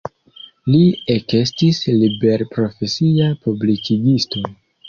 Li ekestis liberprofesia publikigisto.